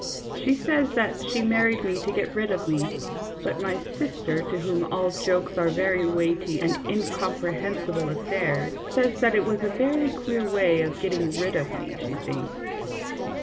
She says that she married me to get rid of me, but my sister, to whom all jokes are very weighty and incomprehen sible affairs, says that it was a very queer way of getting rid of me, she thinks.